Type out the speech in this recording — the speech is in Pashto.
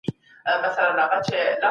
شرف ساتل میړانه او غیرت غواړي.